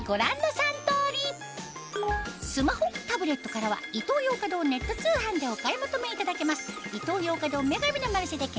スマホタブレットからはイトーヨーカドーネット通販でお買い求めいただけます